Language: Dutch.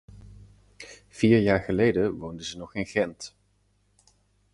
Vier jaar geleden woonden ze nog in Gent.